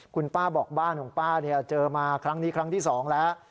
คุณป้าบอกบ้านของป้าเจอมาครั้งนี้ครั้งที่๒แล้ว